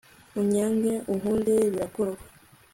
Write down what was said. unyange unkunde birakorwa